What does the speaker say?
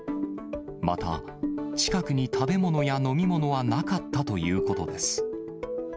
また、近くに食べ物や飲み物はなかったということです。